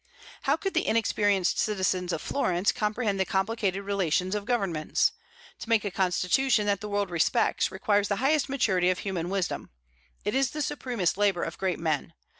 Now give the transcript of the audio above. How could the inexperienced citizens of Florence comprehend the complicated relations of governments? To make a constitution that the world respects requires the highest maturity of human wisdom. It is the supremest labor of great men.